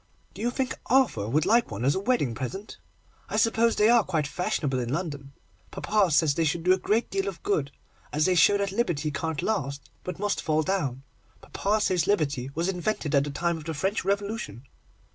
Do you think Arthur would like one for a wedding present? I suppose they are quite fashionable in London. Papa says they should do a great deal of good, as they show that Liberty can't last, but must fall down. Papa says Liberty was invented at the time of the French Revolution.